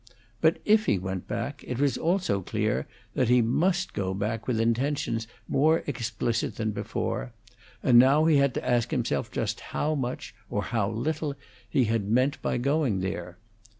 But if he went back it was also clear that he must go back with intentions more explicit than before, and now he had to ask himself just how much or how little he had meant by going there.